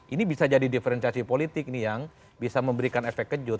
ini bisa jadi diferensiasi politik nih yang bisa memberikan efek kejut